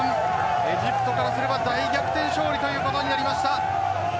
エジプトからすれば大逆転勝利ということになりました。